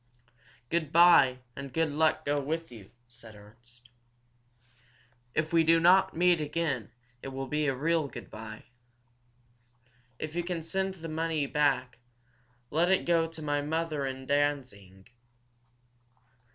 "Good bye, and good luck go with you," said Ernst. "If we do not meet again it will be a real good bye. If you can send the money back, let it go to my mother in Danzig.